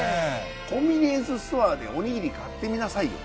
コンビニエンスストアでおにぎり買ってみなさいよ。